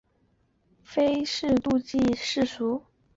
其隐于乡野的动机亦非出于非愤世嫉俗。